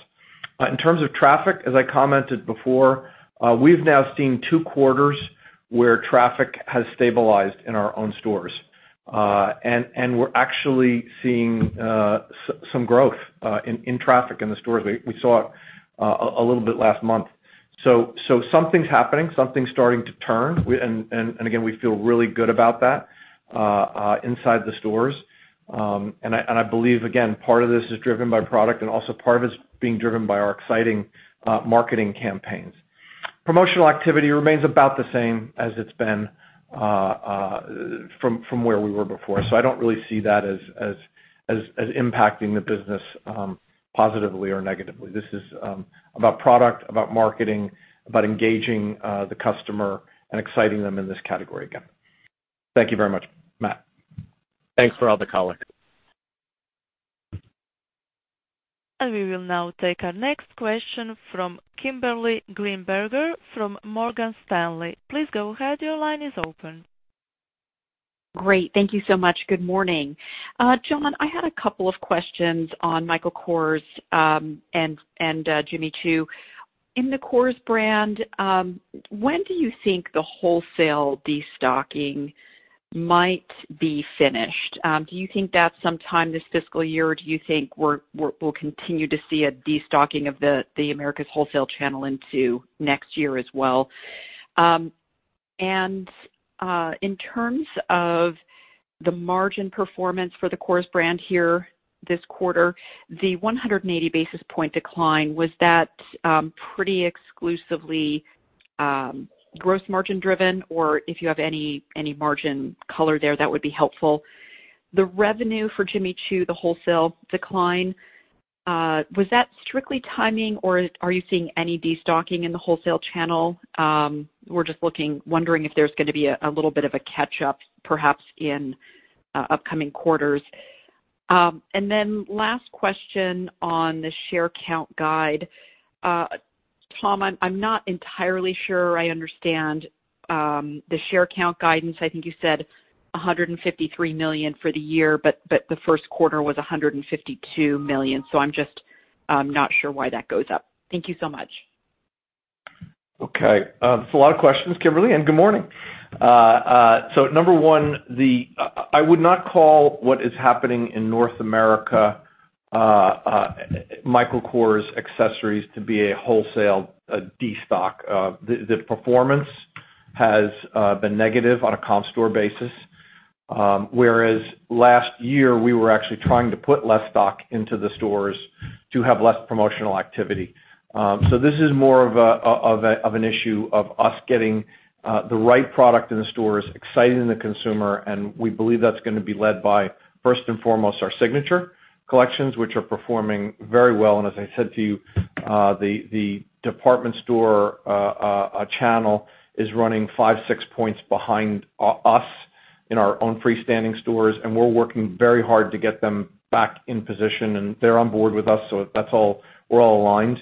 In terms of traffic, as I commented before, we've now seen two quarters where traffic has stabilized in our own stores. We're actually seeing some growth in traffic in the stores. We saw a little bit last month. Something's happening. Something's starting to turn. Again, we feel really good about that inside the stores. I believe, again, part of this is driven by product and also part of it's being driven by our exciting marketing campaigns. Promotional activity remains about the same as it's been from where we were before. I don't really see that as impacting the business positively or negatively. This is about product, about marketing, about engaging the customer and exciting them in this category again. Thank you very much, Matt. Thanks for all the color. We will now take our next question from Kimberly Greenberger from Morgan Stanley. Please go ahead. Your line is open. Great. Thank you so much. Good morning. John, I had a couple of questions on Michael Kors and Jimmy Choo. In the Kors brand, when do you think the wholesale destocking might be finished? Do you think that's sometime this fiscal year, or do you think we'll continue to see a destocking of the Americas wholesale channel into next year as well? In terms of the margin performance for the Kors brand here this quarter, the 180 basis point decline, was that pretty exclusively gross margin driven, or if you have any margin color there, that would be helpful. The revenue for Jimmy Choo, the wholesale decline, was that strictly timing or are you seeing any destocking in the wholesale channel? We're just wondering if there's going to be a little bit of a catch-up perhaps in upcoming quarters. Last question on the share count guide. Tom, I'm not entirely sure I understand the share count guidance. I think you said $153 million for the year. The first quarter was $152 million. I'm just not sure why that goes up. Thank you so much. Okay. That's a lot of questions, Kimberly. Good morning. Number one, I would not call what is happening in North America Michael Kors accessories to be a wholesale destock. The performance has been negative on a comp store basis. Whereas last year, we were actually trying to put less stock into the stores to have less promotional activity. This is more of an issue of us getting the right product in the stores, exciting the consumer, and we believe that's going to be led by, first and foremost, our Signature collections, which are performing very well. As I said to you, the department store channel is running five, six points behind us in our own freestanding stores, and we're working very hard to get them back in position. They're on board with us, we're all aligned.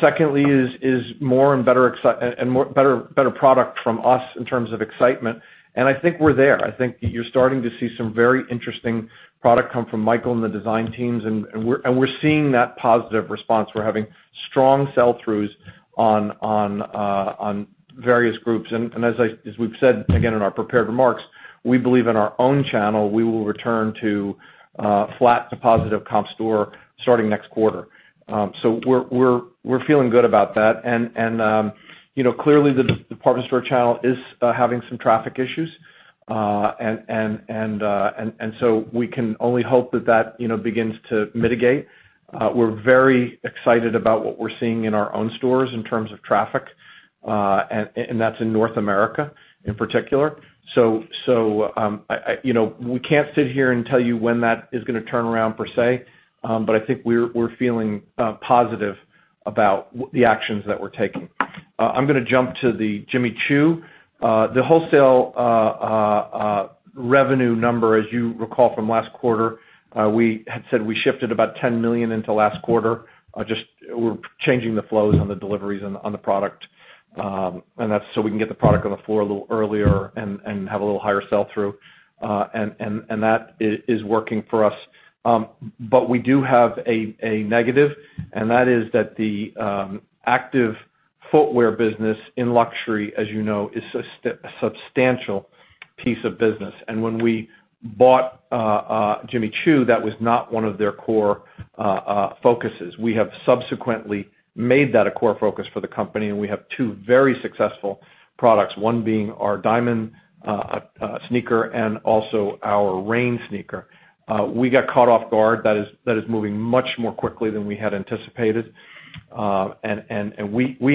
Secondly is more and better product from us in terms of excitement, and I think we're there. I think you're starting to see some very interesting product come from Michael and the design teams, and we're seeing that positive response. We're having strong sell-throughs on various groups. As we've said, again, in our prepared remarks, we believe in our own channel, we will return to flat to positive comp store starting next quarter. We're feeling good about that. Clearly, the department store channel is having some traffic issues. We can only hope that begins to mitigate. We're very excited about what we're seeing in our own stores in terms of traffic, and that's in North America in particular. We can't sit here and tell you when that is going to turn around, per se, but I think we're feeling positive about the actions that we're taking. I'm going to jump to the Jimmy Choo. The wholesale revenue number, as you recall from last quarter, we had said we shifted about $10 million into last quarter. Just we're changing the flows on the deliveries on the product, and that's so we can get the product on the floor a little earlier and have a little higher sell-through. That is working for us. We do have a negative, and that is that the active footwear business in luxury, as you know, is a substantial piece of business. When we bought Jimmy Choo, that was not one of their core focuses. We have subsequently made that a core focus for the company. We have two very successful products, one being our Diamond sneaker and also our Rain sneaker. We got caught off guard. That is moving much more quickly than we had anticipated. We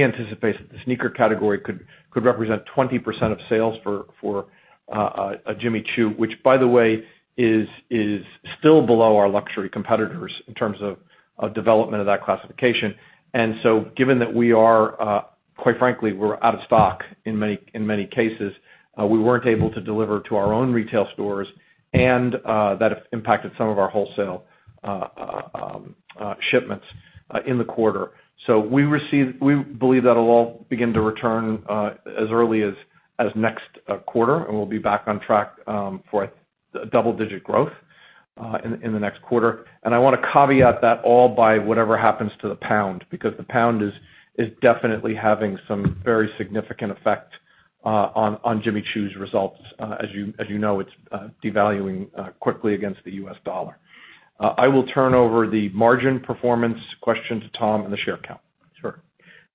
anticipate that the sneaker category could represent 20% of sales for Jimmy Choo, which, by the way, is still below our luxury competitors in terms of development of that classification. Given that we are, quite frankly, we're out of stock in many cases. We weren't able to deliver to our own retail stores. That impacted some of our wholesale shipments in the quarter. We believe that'll all begin to return as early as next quarter, and we'll be back on track for a double-digit growth in the next quarter. I want to caveat that all by whatever happens to the pound, because the pound is definitely having some very significant effect on Jimmy Choo's results. As you know, it's devaluing quickly against the U.S. dollar. I will turn over the margin performance question to Tom and the share count. Sure.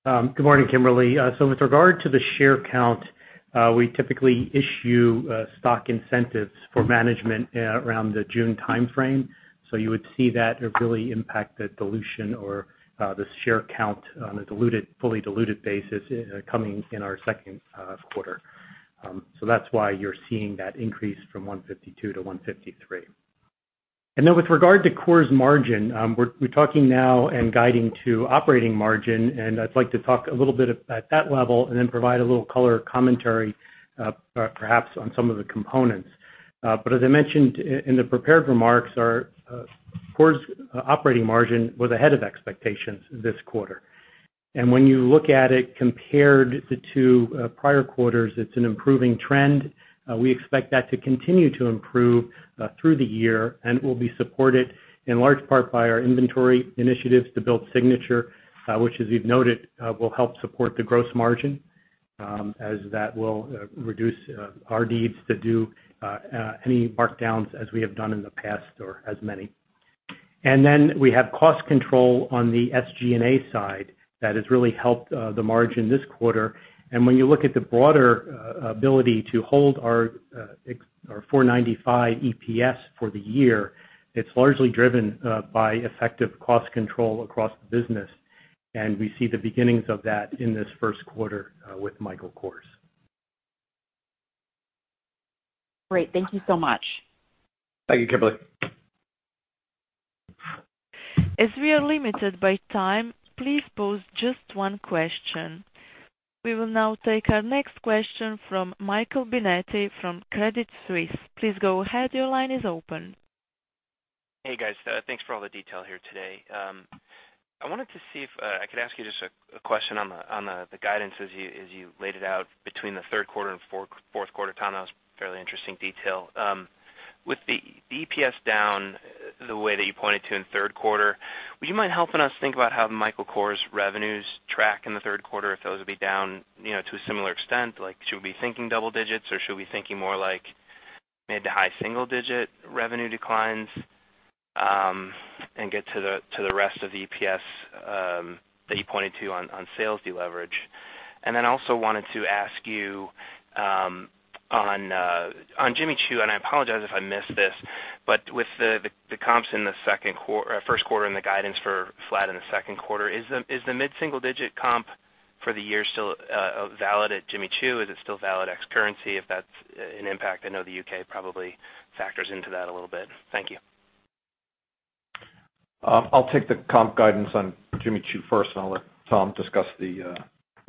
Good morning, Kimberly. With regard to the share count, we typically issue stock incentives for management around the June timeframe. You would see that it really impacted dilution or the share count on a fully diluted basis coming in our second quarter. Now with regard to Kors margin, we're talking now and guiding to operating margin, and I'd like to talk a little bit at that level and then provide a little color commentary, perhaps on some of the components. As I mentioned in the prepared remarks, Kors operating margin was ahead of expectations this quarter. When you look at it compared to two prior quarters, it's an improving trend. We expect that to continue to improve through the year and will be supported in large part by our inventory initiatives to build Signature, which as you've noted, will help support the gross margin, as that will reduce our needs to do any markdowns as we have done in the past or as many. We have cost control on the SG&A side that has really helped the margin this quarter. When you look at the broader ability to hold our $4.95 EPS for the year, it's largely driven by effective cost control across the business. We see the beginnings of that in this first quarter with Michael Kors. Great. Thank you so much. Thank you, Kimberly. As we are limited by time, please pose just one question. We will now take our next question from Michael Binetti from Credit Suisse. Please go ahead. Your line is open. Hey, guys. Thanks for all the detail here today. I wanted to see if I could ask you just a question on the guidance as you laid it out between the third quarter and fourth quarter. Tom, that was fairly interesting detail. With the EPS down the way that you pointed to in the third quarter, would you mind helping us think about how Michael Kors revenues track in the third quarter, if those will be down to a similar extent? Should we be thinking double digits, or should we be thinking more like maybe the high single-digit revenue declines and get to the rest of the EPS that you pointed to on sales deleverage? I also wanted to ask you on Jimmy Choo. I apologize if I missed this, but with the comps in the first quarter and the guidance for flat in the second quarter, is the mid-single-digit comp for the year still valid at Jimmy Choo? Is it still valid ex currency, if that's an impact? I know the U.K. probably factors into that a little bit. Thank you. I'll take the comp guidance on Jimmy Choo first, and I'll let Tom discuss the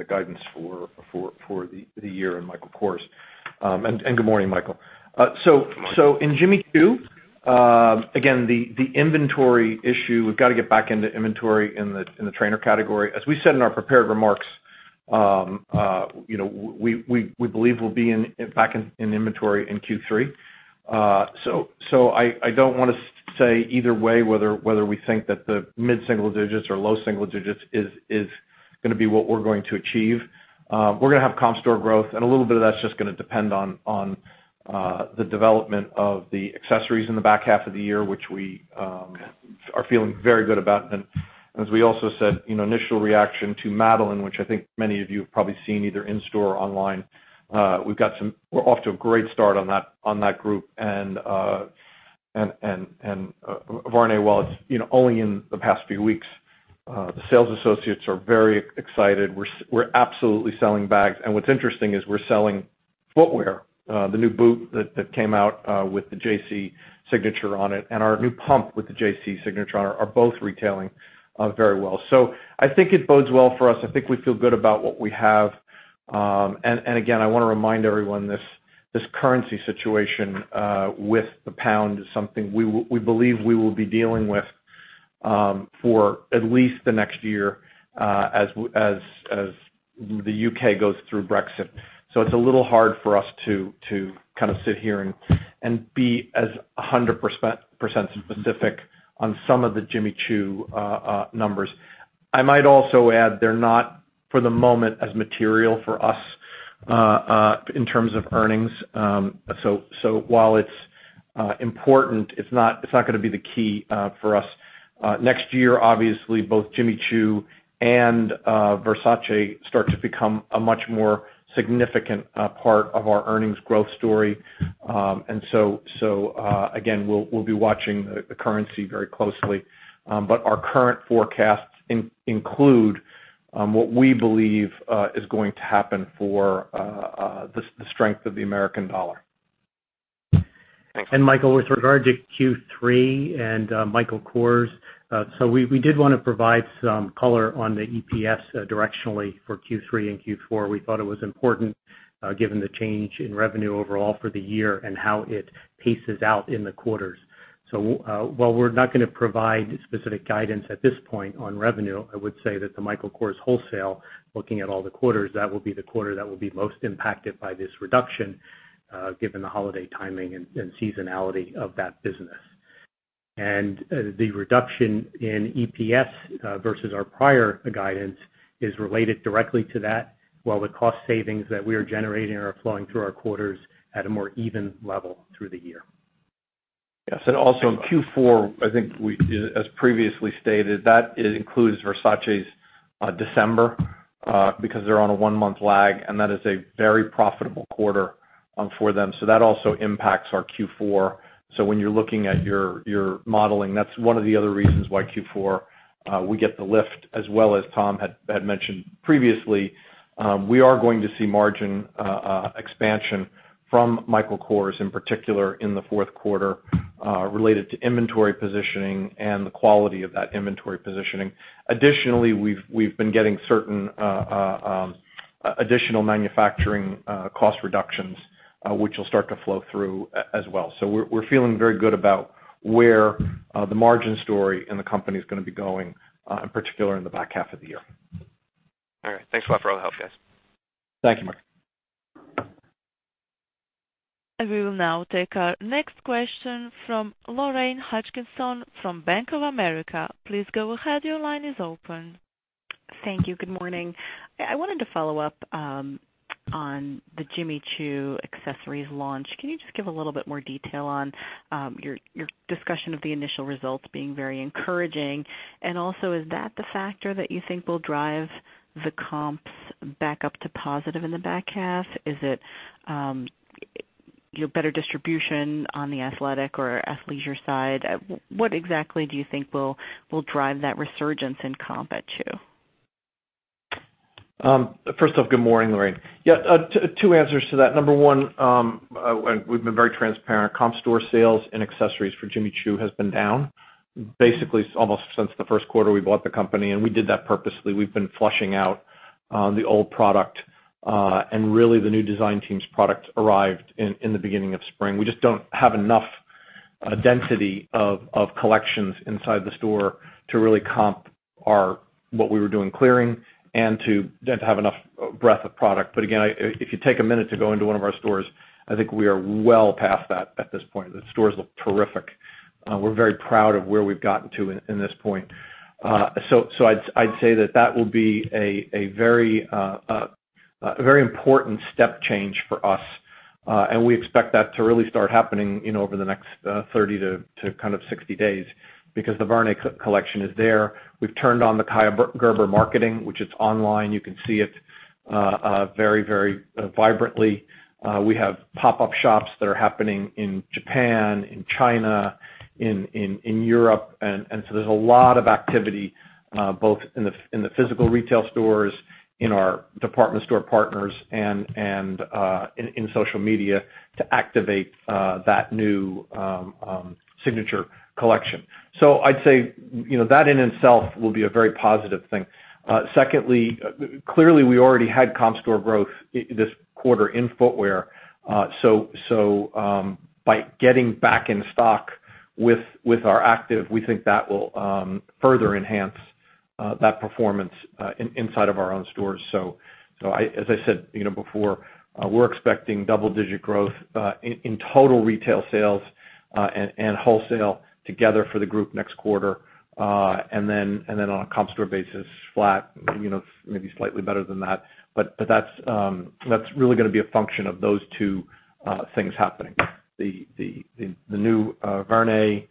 guidance for the year in Michael Kors. Good morning, Michael. In Jimmy Choo, again, the inventory issue, we've got to get back into inventory in the trainer category. As we said in our prepared remarks, we believe we'll be back in inventory in Q3. I don't want to say either way whether we think that the mid-single digits or low single digits is going to be what we're going to achieve. We're going to have comp store growth, and a little bit of that's just going to depend on the development of the accessories in the back half of the year, which we are feeling very good about. As we also said, initial reaction to Madeline, which I think many of you have probably seen either in store or online, we're off to a great start on that group. Varenne, while it's only in the past few weeks, the sales associates are very excited. We're absolutely selling bags. What's interesting is we're selling footwear. The new boot that came out with the JC signature on it and our new pump with the JC signature on are both retailing very well. I think it bodes well for us. I think we feel good about what we have. Again, I want to remind everyone, this currency situation with the GBP is something we believe we will be dealing with for at least the next year as the U.K. goes through Brexit. It's a little hard for us to sit here and be as 100% specific on some of the Jimmy Choo numbers. I might also add they're not for the moment as material for us in terms of earnings. While it's important, it's not going to be the key for us. Next year, obviously, both Jimmy Choo and Versace start to become a much more significant part of our earnings growth story. Again, we'll be watching the currency very closely, but our current forecasts include what we believe is going to happen for the strength of the U.S. dollar. Thanks. Michael, with regard to Q3 and Michael Kors, we did want to provide some color on the EPS directionally for Q3 and Q4. We thought it was important given the change in revenue overall for the year and how it paces out in the quarters. While we're not going to provide specific guidance at this point on revenue, I would say that the Michael Kors wholesale, looking at all the quarters, that will be the quarter that will be most impacted by this reduction given the holiday timing and seasonality of that business. The reduction in EPS versus our prior guidance is related directly to that, while the cost savings that we are generating are flowing through our quarters at a more even level through the year. Yes. Also Q4, I think as previously stated, that includes Versace's December because they're on a one-month lag, and that is a very profitable quarter for them. That also impacts our Q4. When you're looking at your modeling, that's one of the other reasons why Q4, we get the lift as well as Tom had mentioned previously. We are going to see margin expansion from Michael Kors, in particular in the fourth quarter related to inventory positioning and the quality of that inventory positioning. Additionally, we've been getting certain additional manufacturing cost reductions, which will start to flow through as well. We're feeling very good about where the margin story in the company is going to be going, in particular in the back half of the year. All right. Thanks a lot for all the help, guys. Thank you, Michael. I will now take our next question from Lorraine Hutchinson from Bank of America. Please go ahead. Your line is open. Thank you. Good morning. I wanted to follow up on the Jimmy Choo accessories launch. Can you just give a little bit more detail on your discussion of the initial results being very encouraging? Also, is that the factor that you think will drive the comps back up to positive in the back half? Is it your better distribution on the athletic or athleisure side? What exactly do you think will drive that resurgence in comp at Choo? First off, good morning, Lorraine. Yeah, two answers to that. Number one, we've been very transparent. Comp store sales and accessories for Jimmy Choo has been down basically almost since the first quarter we bought the company, and we did that purposely. We've been flushing out the old product, and really the new design team's product arrived in the beginning of spring. We just don't have enough density of collections inside the store to really comp what we were doing clearing and to have enough breadth of product. Again, if you take a minute to go into one of our stores, I think we are well past that at this point. The stores look terrific. We're very proud of where we've gotten to in this point. I'd say that will be a very important step change for us. We expect that to really start happening over the next 30 to 60 days because the Varenne collection is there. We've turned on the Kaia Gerber marketing, which is online. You can see it very vibrantly. We have pop-up shops that are happening in Japan, in China, in Europe. There's a lot of activity both in the physical retail stores, in our department store partners, and in social media to activate that new signature collection. I'd say, that in itself will be a very positive thing. Secondly, clearly, we already had comp store growth this quarter in footwear. By getting back in stock with our active, we think that will further enhance that performance inside of our own stores. As I said before, we're expecting double-digit growth in total retail sales and wholesale together for the group next quarter. On a comp store basis, flat, maybe slightly better than that. That's really going to be a function of those two things happening. The new Virtus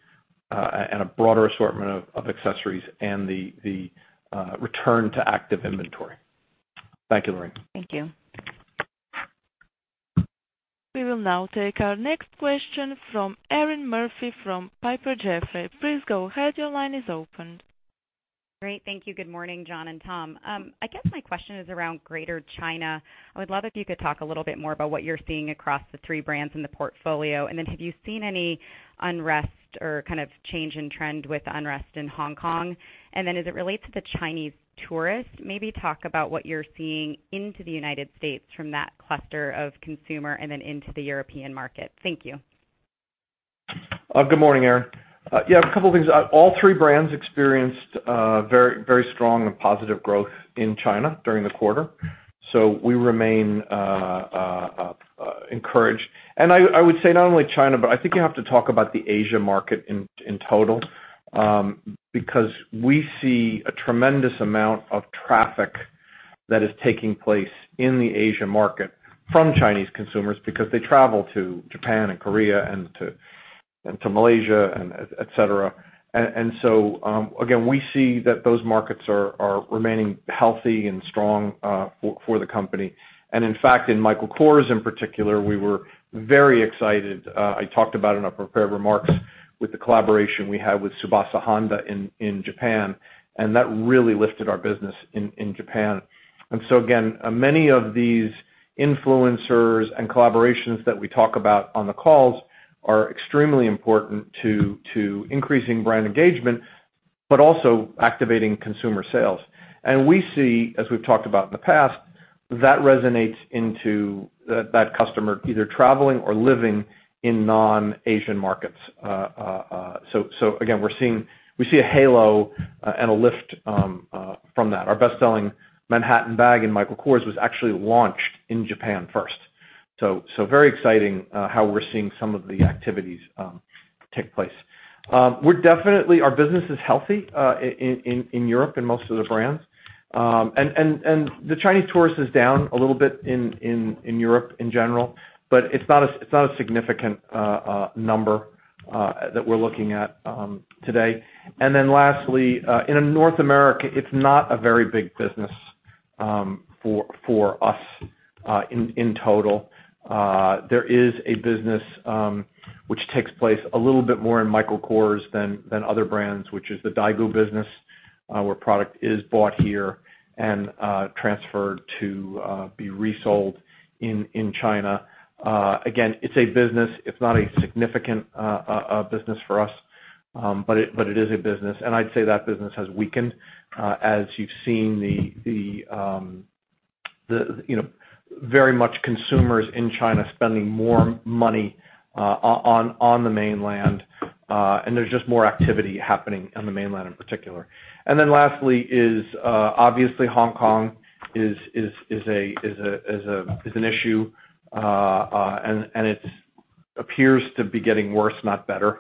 and a broader assortment of accessories and the return to active inventory. Thank you, Lorraine. Thank you. We will now take our next question from Erinn Murphy from Piper Jaffray. Please go ahead. Your line is open. Great. Thank you. Good morning, John and Tom. I guess my question is around Greater China. I would love if you could talk a little bit more about what you're seeing across the three brands in the portfolio. Have you seen any unrest or change in trend with unrest in Hong Kong? As it relates to the Chinese tourists, maybe talk about what you're seeing into the United States from that cluster of consumer and then into the European market. Thank you. Good morning, Erinn. Yeah, a couple of things. All three brands experienced very strong and positive growth in China during the quarter. We remain encouraged. I would say not only China, but I think you have to talk about the Asia market in total. Because we see a tremendous amount of traffic that is taking place in the Asia market from Chinese consumers because they travel to Japan and Korea and to Malaysia, and et cetera. Again, we see that those markets are remaining healthy and strong for the company. In fact, in Michael Kors in particular, we were very excited. I talked about in our prepared remarks with the collaboration we had with Tsubasa Honda in Japan, and that really lifted our business in Japan. Again, many of these influencers and collaborations that we talk about on the calls are extremely important to increasing brand engagement, but also activating consumer sales. We see, as we've talked about in the past, that resonates into that customer either traveling or living in non-Asian markets. Again, we see a halo and a lift from that. Our best-selling Manhattan bag in Michael Kors was actually launched in Japan first. Very exciting how we're seeing some of the activities take place. Our business is healthy in Europe in most of the brands. The Chinese tourist is down a little bit in Europe in general, but it's not a significant number that we're looking at today. Lastly, in North America, it's not a very big business for us in total. There is a business which takes place a little bit more in Michael Kors than other brands, which is the Daigou business, where product is bought here and transferred to be resold in China. It's a business. It's not a significant business for us. It is a business, and I'd say that business has weakened as you've seen very much consumers in China spending more money on the mainland. There's just more activity happening on the mainland in particular. Lastly is obviously Hong Kong is an issue, and it appears to be getting worse, not better.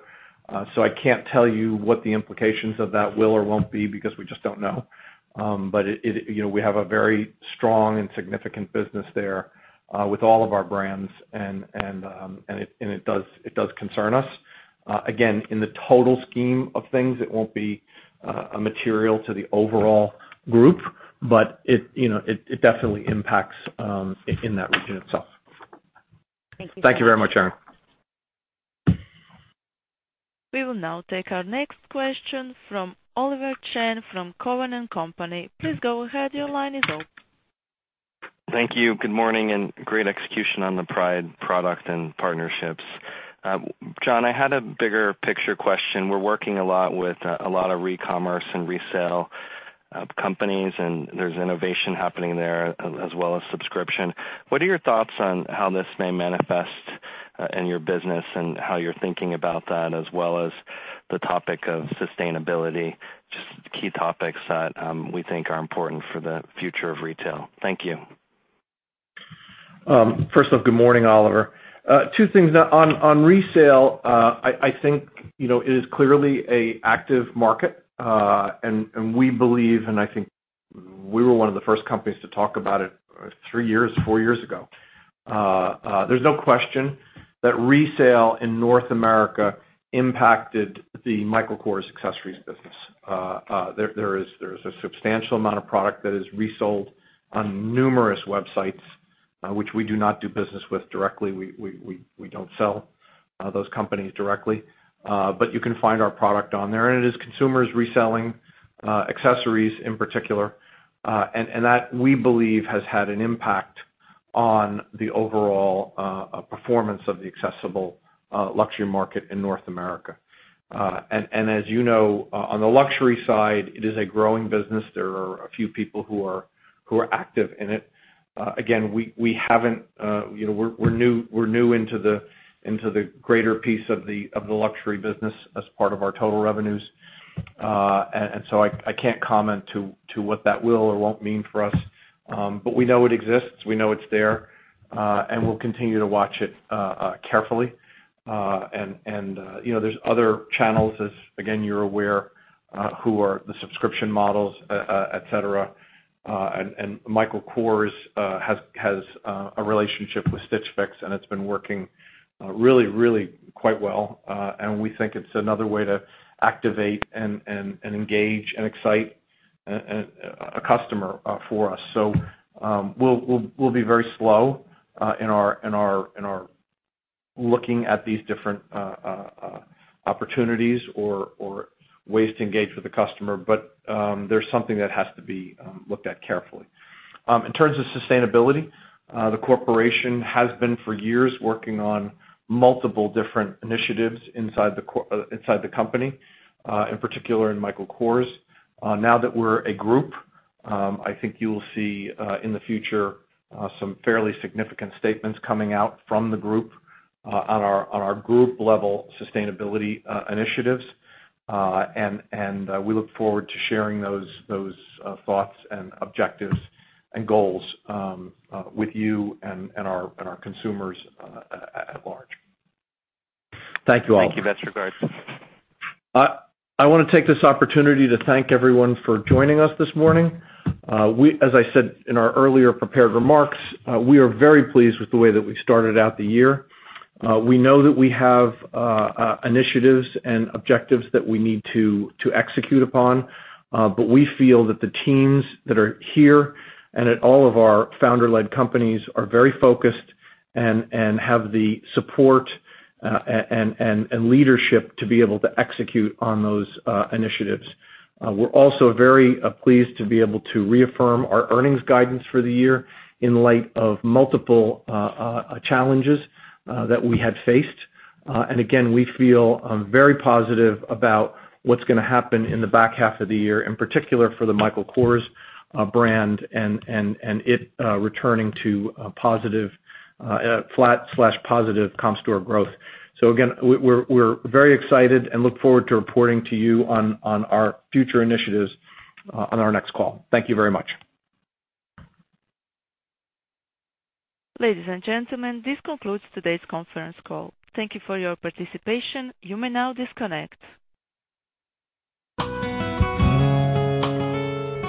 I can't tell you what the implications of that will or won't be because we just don't know. We have a very strong and significant business there with all of our brands, and it does concern us. Again, in the total scheme of things, it won't be material to the overall group, but it definitely impacts in that region itself. Thank you. Thank you very much, Erinn. We will now take our next question from Oliver Chen from Cowen and Company. Please go ahead. Your line is open. Thank you. Good morning, great execution on the Pride product and partnerships. John, I had a bigger picture question. We're working a lot with a lot of recommerce and resale companies, there's innovation happening there as well as subscription. What are your thoughts on how this may manifest in your business and how you're thinking about that as well as the topic of sustainability? Just key topics that we think are important for the future of retail. Thank you. First off, good morning, Oliver. Two things. On resale, I think it is clearly an active market. We believe, and I think we were one of the first companies to talk about it three years, four years ago. There's no question that resale in North America impacted the Michael Kors accessories business. There is a substantial amount of product that is resold on numerous websites, which we do not do business with directly. We don't sell those companies directly. You can find our product on there, and it is consumers reselling accessories in particular. That, we believe, has had an impact on the overall performance of the accessible luxury market in North America. As you know, on the luxury side, it is a growing business. There are a few people who are active in it. We're new into the greater piece of the luxury business as part of our total revenues. I can't comment to what that will or won't mean for us. We know it exists, we know it's there, and we'll continue to watch it carefully. There's other channels as, again, you're aware, who are the subscription models, et cetera. Michael Kors has a relationship with Stitch Fix, and it's been working really quite well. We think it's another way to activate and engage and excite a customer for us. We'll be very slow in our looking at these different opportunities or ways to engage with the customer. There's something that has to be looked at carefully. In terms of sustainability, the corporation has been for years working on multiple different initiatives inside the company, in particular in Michael Kors. Now that we're a group, I think you'll see, in the future, some fairly significant statements coming out from the group on our group-level sustainability initiatives. We look forward to sharing those thoughts and objectives and goals with you and our consumers at large. Thank you, Oliver. Thank you. Best regards. I want to take this opportunity to thank everyone for joining us this morning. As I said in our earlier prepared remarks, we are very pleased with the way that we started out the year. We know that we have initiatives and objectives that we need to execute upon. We feel that the teams that are here and at all of our founder-led companies are very focused and have the support and leadership to be able to execute on those initiatives. We're also very pleased to be able to reaffirm our earnings guidance for the year in light of multiple challenges that we had faced. Again, we feel very positive about what's going to happen in the back half of the year, in particular for the Michael Kors brand and it returning to flat/positive comp store growth. Again, we're very excited and look forward to reporting to you on our future initiatives on our next call. Thank you very much. Ladies and gentlemen, this concludes today's conference call. Thank you for your participation. You may now disconnect.